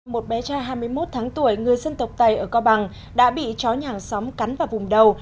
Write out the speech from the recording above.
một bé trai hai mươi một tháng tuổi người dân tộc tày ở cao bằng đã bị chó nhàng xóm cắn vào vùng đầu